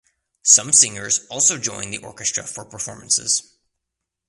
Some singers also joined the Orchestra for performances.